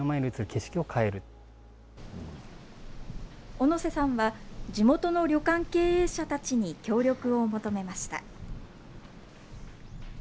小野瀬さんは、地元の旅館経営者たちに協力を求めました。